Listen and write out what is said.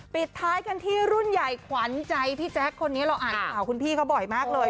ปิดท้ายกันที่รุ่นใหญ่ขวัญใจพี่แจ๊คคนนี้เราอ่านข่าวคุณพี่เขาบ่อยมากเลย